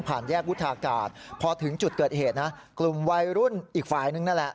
แยกวุฒากาศพอถึงจุดเกิดเหตุนะกลุ่มวัยรุ่นอีกฝ่ายนึงนั่นแหละ